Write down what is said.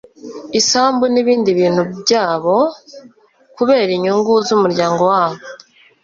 isambu n'ibindi bintu byabo kubera inyungu z'umuryango wabo